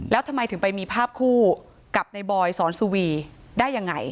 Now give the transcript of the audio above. แล้วทำไมถึงไปมีภาพคู่กับในบอยสอนสุวีได้ยังไง